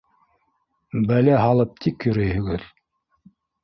— Бәлә һалып тик йөрөйһөгөҙ.